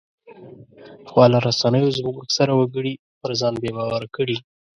خواله رسنیو زموږ اکثره وګړي پر ځان بې باوره کړي